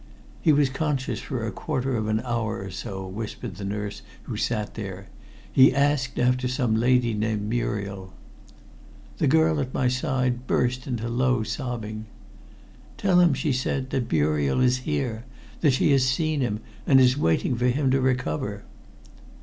"He was conscious for a quarter of an hour or so," whispered the nurse who sat there, "He asked after some lady named Muriel." The girl at my side burst into low sobbing. "Tell him," she said, "that Muriel is here that she has seen him, and is waiting for him to recover."